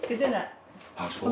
あっそう。